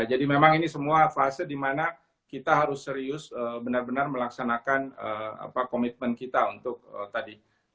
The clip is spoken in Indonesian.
jadi memang ini semua fase dimana kita harus serius benar benar melaksanakan komitmen kita untuk tadi